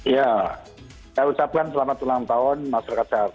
ya saya ucapkan selamat ulang tahun masyarakat jakarta empat ratus sembilan puluh empat